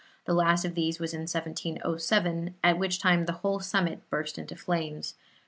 The last of these was in 1707, at which time the whole summit burst into flames.